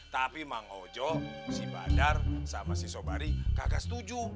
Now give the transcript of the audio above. tapi mang ojo si badar sama si sobari nggak setuju